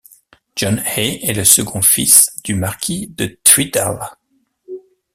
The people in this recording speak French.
John Hay est le second fils du marquis de Tweeddale.